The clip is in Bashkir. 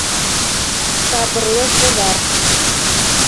Сабырлы сыҙар